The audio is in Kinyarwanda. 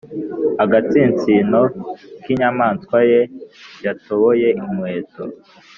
agatsinsino k'inyamaswa ye yatoboye inkweto,